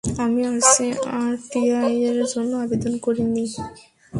আমি আরটিআই-এর জন্য আবেদন করিনি।